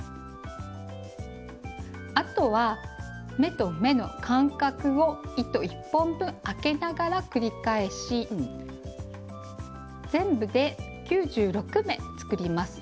あとは目と目の間隔を糸１本分あけながら繰り返し全部で９６目作ります。